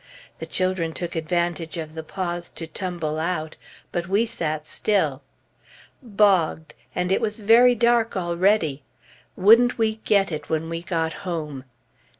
The children took advantage of the pause to tumble out, but we sat still. Bogged, and it was very dark already! Wouldn't we get it when we got home!